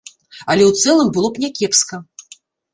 Але ў цэлым было б някепска.